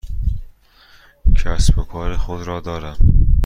کسب و کار خودم را دارم.